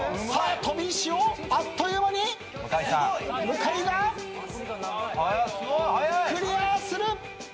飛び石をあっという間に向井がクリアする。